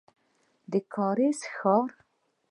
د کارېز ښار.